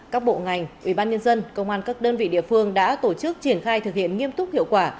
các bộ ngành ubnd công an các đơn vị địa phương đã tổ chức triển khai thực hiện nghiêm túc hiệu quả